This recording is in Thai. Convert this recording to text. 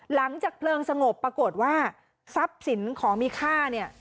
หลังจากเพลิงสงบปรากฏว่าทรัพย์สินของมีค่าเนี่ย